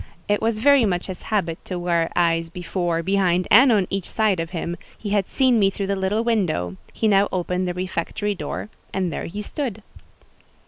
It was very much his habit to wear eyes before, behind, and on each side of him: he had seen me through the little window—he now opened the refectory door, and there he stood.